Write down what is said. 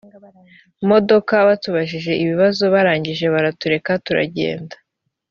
modoka batubajije ibibazo barangije baratureka turagenda